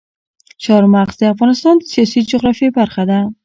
چار مغز د افغانستان د سیاسي جغرافیه برخه ده.